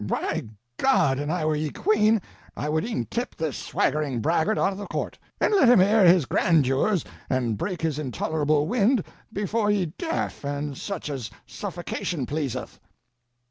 By God, an' I were ye queene, I would e'en tip this swaggering braggart out o' the court, and let him air his grandeurs and break his intolerable wind before ye deaf and such as suffocation pleaseth.